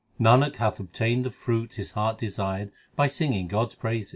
Nanak hath obtained the fruit his heart desired by singing God s praises.